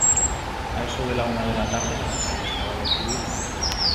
A eso de la una de la tarde la batalla estaba decidida.